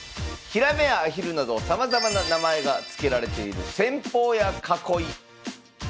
ひらめやアヒルなどさまざまな名前が付けられている戦法や囲い。